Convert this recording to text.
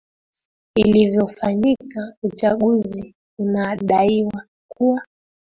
ilivyofanyika uchaguzi unaodaiwa kuwa